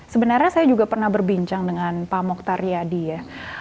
sebenarnya saya juga pernah berbincang dengan pak mokhtar yadi ya